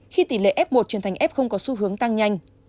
khi tỷ lệ f một truyền thành f không có xu hướng tăng nhanh